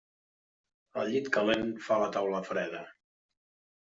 El llit calent fa la taula freda.